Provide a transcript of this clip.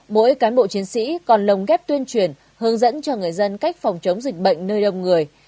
mỗi cán bộ chiến sĩ còn lồng ghép tuyên truyền hướng dẫn cho người dân cách phòng chống dịch bệnh nơi đông người